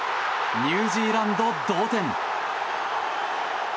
ニュージーランド同点！